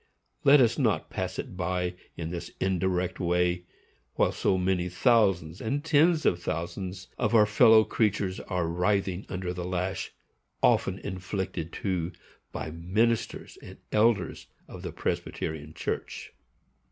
Let us not pass it by in this indirect way, while so many thousands and tens of thousands of our fellow creatures are writhing under the lash, often inflicted, too, by ministers and elders of the Presbyterian Church.